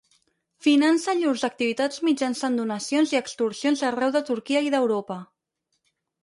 Finança llurs activitats mitjançant donacions i extorsions arreu de Turquia i d'Europa.